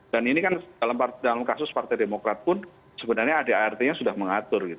dan ini kan dalam kasus partai demokrat pun sebenarnya adart nya sudah mengatur